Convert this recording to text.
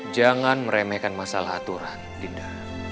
jangan meremehkan masalah aturan dinda